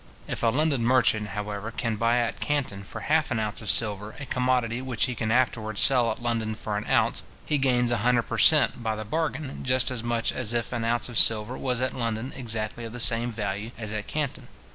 If a London merchant, however, can buy at Canton, for half an ounce of silver, a commodity which he can afterwards sell at London for an ounce, he gains a hundred per cent. by the bargain, just as much as if an ounce of silver was at London exactly of the same value as at Canton.